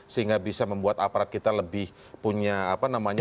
sehingga bisa membuat aparat kita lebih punya apa namanya